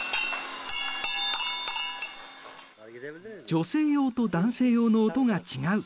女性用と男性用の音が違う。